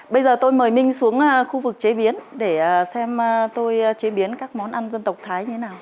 bây giờ tôi mời minh xuống khu vực chế biến để xem tôi chế biến các món ăn dân tộc thái như thế nào